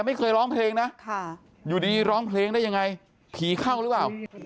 ไม่เคยร้องเพลงนะอยู่ดีร้องเพลงได้ยังไงผีเข้าหรือเปล่า